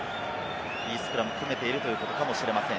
いいスクラムを組めているということかもしれません。